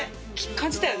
感じたよね。